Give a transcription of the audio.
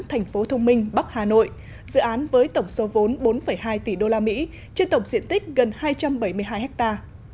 thành phố thông minh bắc hà nội dự án với tổng số vốn bốn hai tỷ usd trên tổng diện tích gần hai trăm bảy mươi hai ha